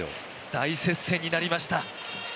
大接戦になりました。